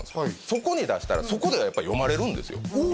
そこに出したらそこではやっぱり読まれるんですよ